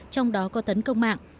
trong đó có tấn công mạng